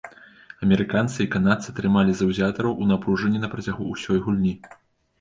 Амерыканцы і канадцы трымалі заўзятараў у напружанні на працягу ўсёй гульні.